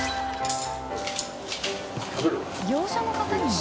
若槻）業者の方にも？